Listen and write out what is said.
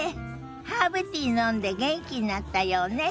ハーブティー飲んで元気になったようね。